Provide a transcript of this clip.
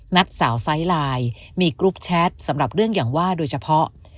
สาวไซส์ไลน์มีกรุ๊ปแชทสำหรับเรื่องอย่างว่าโดยเฉพาะ